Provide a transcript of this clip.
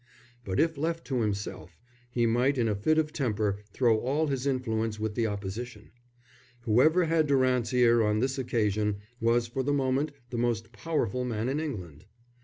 But if left to himself, he might in a fit of temper throw all his influence with the Opposition. Whoever had Durant's ear on this occasion was for the moment the most powerful man in England.